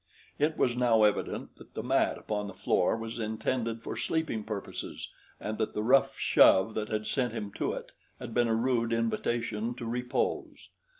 It was now evident that the mat upon the floor was intended for sleeping purposes and that the rough shove that had sent him to it had been a rude invitation to repose.